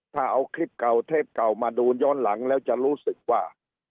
ถ้าเอาคลิปเก่าเทปเก่ามาดูย้อนหลังแล้วจะรู้สึกว่า